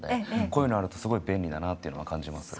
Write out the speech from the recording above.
こういうのあるとすごい便利だなというのは感じます。